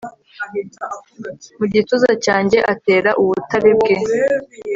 mu gituza cyanjye atera ubutare bwe